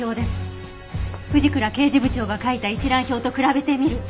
藤倉刑事部長が書いた一覧表と比べてみると。